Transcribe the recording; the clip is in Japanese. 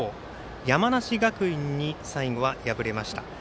山梨学院に最後は敗れました。